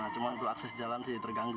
cuma untuk akses jalan sih terganggu